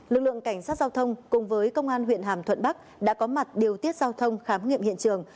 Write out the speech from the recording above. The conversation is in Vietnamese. lực lượng cảnh sát giao thông cùng với công an huyện hàm thuận bắc đã có mặt điều tiết giao thông khám nghiệm hiện trường